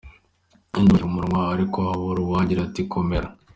Induru ayiha umunwa, ariko habura uwagira, ati: "Komera.